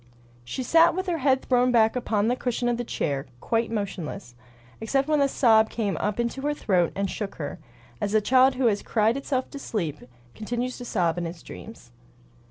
She sat with her head thrown back upon the cushion of the chair, quite motionless, except when a sob came up into her throat and shook her, as a child who has cried itself to sleep continues to sob in its dreams.